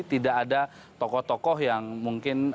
tidak ada tokoh tokoh yang mungkin